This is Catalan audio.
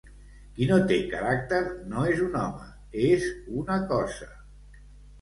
Qui no té caràcter no és un home, és una cosa.